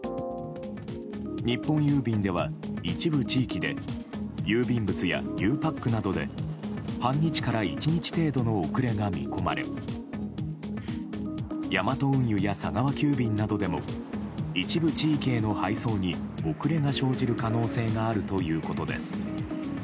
日本郵便では一部地域で郵便物や、ゆうパックなどで半日から１日程度の遅れが見込まれヤマト運輸や佐川急便などでも一部地域への配送に遅れが生じる可能性があるということです。